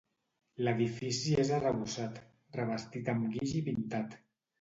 L'edifici és arrebossat, revestit amb guix i pintat.